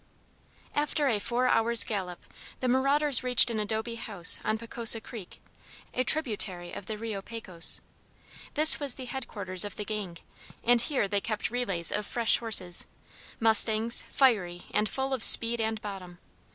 After a four hours' gallop, the marauders reached an adobe house on Picosa Creek, a tributary of the Rio Pecos. This was the headquarters of the gang, and here they kept relays of fresh horses, mustangs, fiery, and full of speed and bottom.